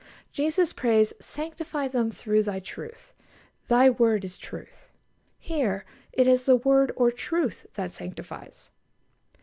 Jesus prays: "Sanctify them through Thy truth: Thy word is truth." Here it is the word, or truth, that sanctifies.